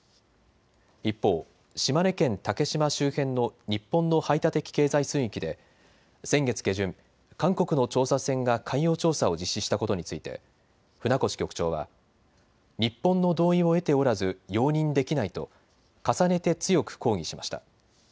一方、島根県竹島周辺の日本の排他的経済水域で先月下旬、韓国の調査船が海洋調査を実施したことについて船越局長は日本の同意を得ておらず容認できないと重ねて強く抗議しました。